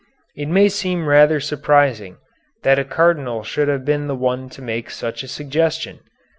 It may seem rather surprising that a cardinal should have been the one to make such a suggestion.